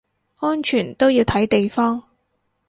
安全都要睇地方